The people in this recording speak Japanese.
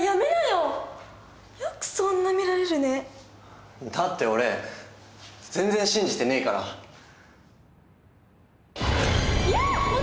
よくそんな見られるねだって俺全然信じてねえからいや！